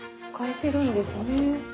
変えてるんですね。